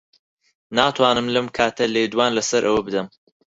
ناتوانم لەم کاتە لێدوان لەسەر ئەوە بدەم.